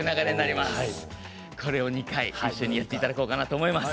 これを２回一緒にやっていただこうと思います。